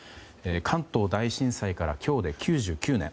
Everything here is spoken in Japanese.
関東大震災から今日で９９年。